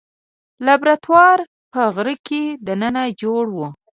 لابراتوار په غره کې دننه جوړ و.